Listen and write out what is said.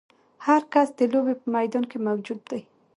هر کس د لوبې په میدان کې موجود دی.